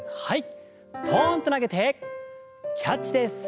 ポンと投げてキャッチです。